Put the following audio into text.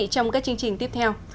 trong các chương trình tiếp theo